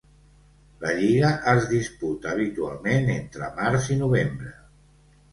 La lliga es disputa habitualment entre març i novembre.